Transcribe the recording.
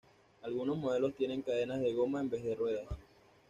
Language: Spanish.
Algunos modelos tienen cadenas de goma en vez de ruedas.